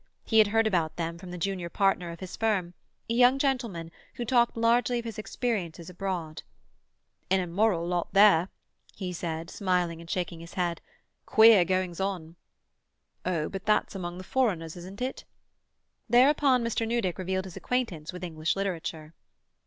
He had heard about them from the junior partner of his firm, a young gentleman who talked largely of his experiences abroad. "An immoral lot there," he said, smiling and shaking his head. "Queer goings on." "Oh, but that's among the foreigners, isn't it?" Thereupon Mr. Newdick revealed his acquaintance with English literature.